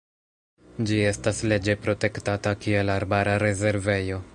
Ĝi estas leĝe protektata kiel arbara rezervejo.